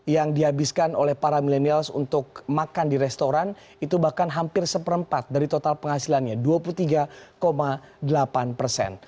yang dihabiskan oleh para millennials untuk makan di restoran itu bahkan hampir seperempat dari total penghasilannya dua puluh tiga delapan persen